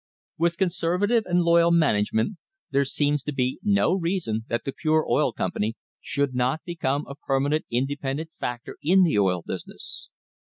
With conserva tive and loyal management, there seems to be no reason that the Pure Oil Company should not become a permanent inde pendent factor in the oil business.